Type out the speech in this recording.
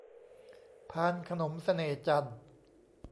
พานขนมเสน่ห์จันทร์